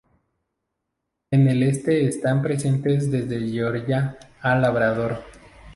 En el este están presentes desde Georgia a Labrador.